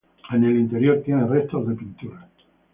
En el interior tiene restos de pinturas.